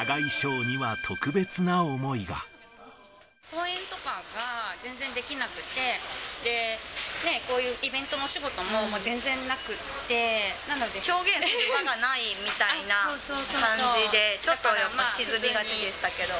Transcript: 公演とかが全然できなくて、こういうイベントのお仕事も全然なくって、なので表現する場がないみたいな感じで、ちょっとやっぱ沈みがちでしたけど。